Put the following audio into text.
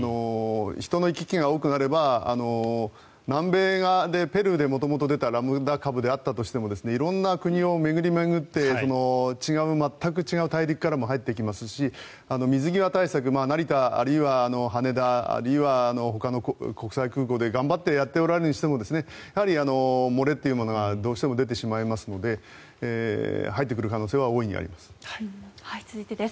人の行き来が多くなれば南米のペルーで元々出たラムダ株であったとしても色んな国を巡り巡って全く違う大陸からも入ってきますし水際対策、成田、あるいは羽田あるいは、ほかの国際空港で頑張ってやっておられるにしてもやはり漏れというものがどうしても出てしまいますので入ってくる可能性は大いにあります。